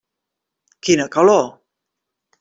Quina calor.